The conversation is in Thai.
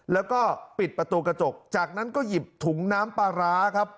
แล้วก็ปิดประตูกระจกจากนั้นก็หยิบถุงน้ำปลาร้าครับ